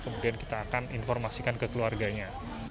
kemudian kita akan informasikan ke keluarganya